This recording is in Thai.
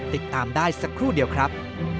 ติดตามได้สักครู่เดียวครับ